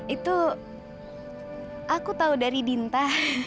itu aku tahu dari dinta